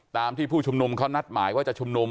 ผู้ชุมนุมเขานัดหมายว่าจะชุมนุม